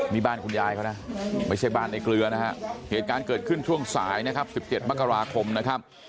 นี่บ้านคุณยายเขานะไม่ใช่บ้านในเกลือนะฮะเหตุการณ์เกิดขึ้นช่วงสายนะครับ๑๗มกราคมนะครับ